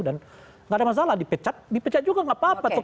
dan gak ada masalah dipecat dipecat juga gak apa apa